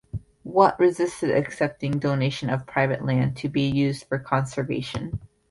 Watt resisted accepting donation of private land to be used for conservation.